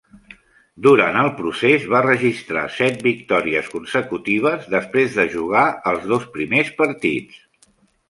Durant el procés, va registrar set victòries consecutives després de jugar els dos primers partits.